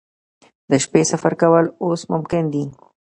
د شپې سفر کول اوس ممکن دي